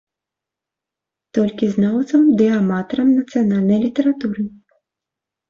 Толькі знаўцам ды аматарам нацыянальнай літаратуры.